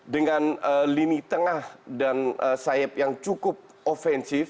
dengan lini tengah dan sayap yang cukup offensif